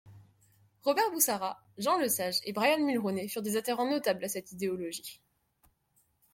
Robert Bourassa, Jean Lesage et Brian Mulroney furent des adhérents notables à cette idéologie.